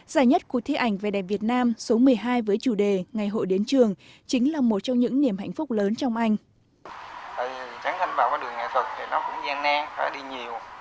giải nhất cuộc thi ảnh về đẹp việt nam số một mươi hai với chủ đề ngày hội đến trường chính là một trong những niềm hạnh phúc lớn trong anh